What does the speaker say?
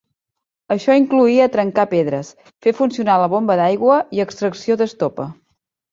Això incloïa trencar pedres, fer funcionar la bomba d'aigua i extracció d'estopa.